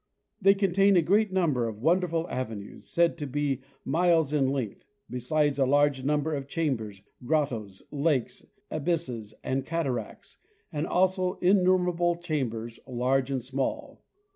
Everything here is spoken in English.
They contain a great number of wonderful avenues, said to be miles in length, besides large numbers of chambers, grottoes, lakes, abysses and cataracts, and also innumerable chambers, large and small.